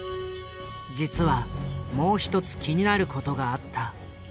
実はもう一つ気になる事があった。